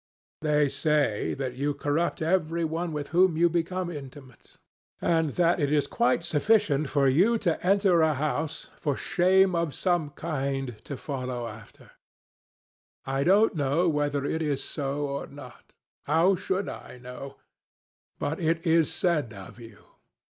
They say that you corrupt every one with whom you become intimate, and that it is quite sufficient for you to enter a house for shame of some kind to follow after. I don't know whether it is so or not. How should I know? But it is said of you.